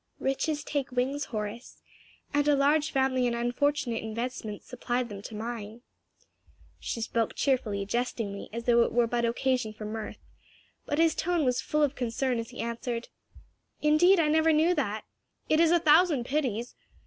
"Riches take wings, Horace, and a large family and unfortunate investments supplied them to mine." She spoke cheerfully, jestingly, as though it were but occasion for mirth, but his tone was full of concern as he answered, "Indeed I never knew that. It is a thousand pities!